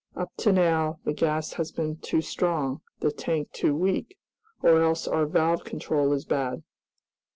Up to now the gas has been too strong, the tank too weak, or else our valve control is bad."